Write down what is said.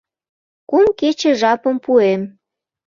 — Кум кече жапым пуэм.